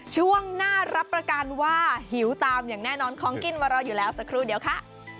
ช่วงหน้ารับประกันว่าหิวตามอย่างแน่นอนของกินมารออยู่แล้วสักครู่เดียวค่ะ